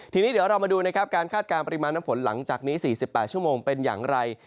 ทีนี้เดี๋ยวเรามาดูนะครับการคาดการณปริมาณน้ำฝนหลังจากนี้๔๘ชั่วโมงเป็นอย่างไร